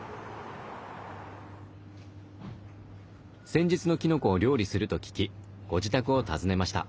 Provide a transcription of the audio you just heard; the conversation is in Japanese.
先日のきのこを料理すると聞きご自宅を訪ねました。